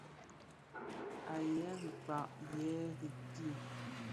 Aa yêê rikpaa, yêê rì kì.